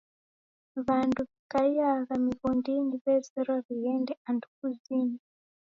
W'andu wikaiagha mighondinyi w'ezerwa w'ighende andu kuzima.